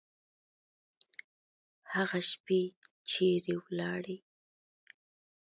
هغه شپې چیري ولاړې؟